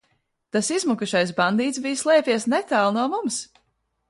Tas izmukušais bandīts bija slēpies netālu no mums!